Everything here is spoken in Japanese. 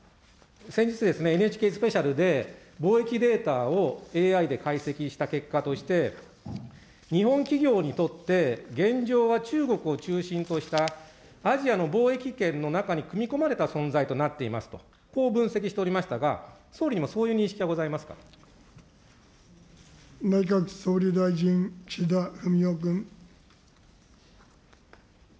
先日、ＮＨＫスペシャルで、貿易データをＡＩで解析した結果として、日本企業にとって現状は中国を中心としたアジアの貿易圏の中に組み込まれた存在となっていますと、こう分析しておりましたが、総理にもそういう認識はご内閣総理大臣、岸田文雄君。